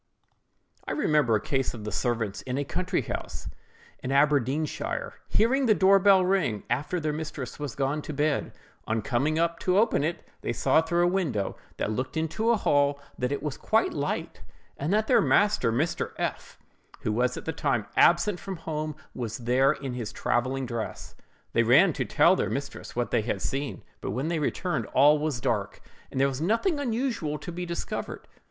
I remember a case of the servants in a country house, in Aberdeenshire, hearing the door bell ring after their mistress was gone to bed; on coming up to open it, they saw through a window that looked into a hall that it was quite light, and that their master, Mr. F——, who was at the time absent from home, was there in his travelling dress. They ran to tell their mistress what they had seen; but when they returned, all was dark, and there was nothing unusual to be discovered.